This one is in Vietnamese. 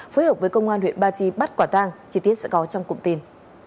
phối hợp với công an huyện ba chi bắt quả tang chi tiết sẽ có trong cụm tin